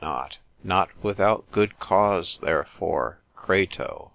Not without good cause therefore Crato, consil.